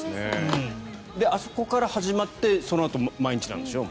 あそこから始まって毎日なんでしょ。